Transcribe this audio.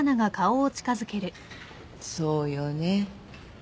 そうよね。